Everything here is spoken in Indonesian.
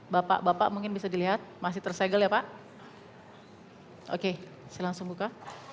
bapak bapak mungkin bisa dilihat masih tersegel ya pak oke saya langsung buka